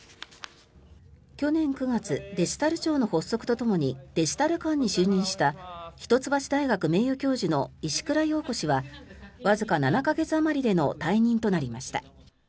去年９月デジタル庁の発足とともにデジタル監に就任した一橋大学名誉教授の石倉洋子氏はわずか７か月あまりでの退任となりました。